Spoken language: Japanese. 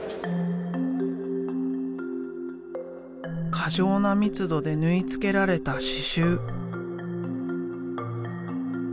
過剰な密度で縫い付けられた刺繍。